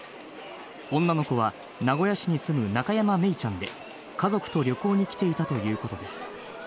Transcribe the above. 女の子は、名古屋市に住む中山愛李ちゃんで、家族と旅行に来ていたということです。